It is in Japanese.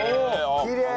きれい！